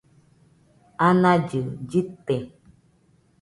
anallɨ llɨte